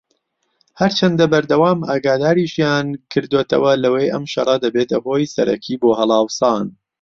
هەرچەندە بەردەوام ئاگاداریشیان کردۆتەوە لەوەی ئەم شەڕە دەبێتە هۆی سەرەکیی بۆ هەڵاوسان